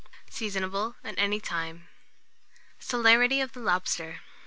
Seasonable at any time. CELERITY OF THE LOBSTER.